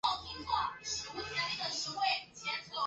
其政治理念一直被认为具有民族主义及民粹主义的倾向。